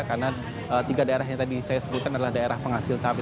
karena tiga daerah yang tadi saya sebutkan adalah daerah penghasil cabai